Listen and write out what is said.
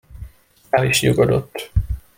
El is nyugodott.